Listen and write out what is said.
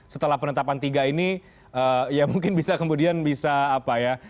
setelah penetapan tiga ini ya mungkin bisa kemudian bisa apa ya